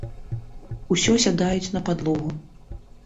Усё сядаюць на падлогу.